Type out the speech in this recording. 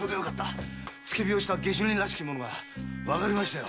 付け火をした下手人らしき者がわかりましたよ。